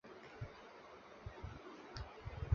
侯爵领地现在隶属于皮埃蒙特大区。